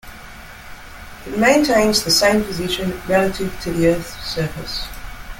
It maintains the same position relative to the Earth's surface.